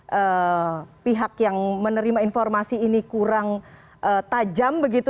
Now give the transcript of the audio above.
dan pihak yang menerima informasi ini kurang tajam